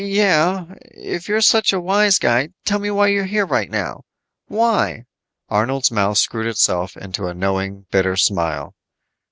"Yeah. If you're such a wise guy, tell me why you're here right now. Why?" Arnold's mouth screwed itself into a knowing, bitter smile.